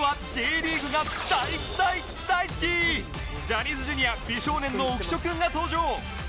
ジャニーズ Ｊｒ． 美少年の浮所君が登場